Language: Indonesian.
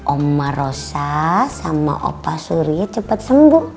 om marosa sama opa surya cepet sembuh